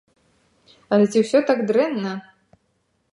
Але ці ўсё так дрэнна?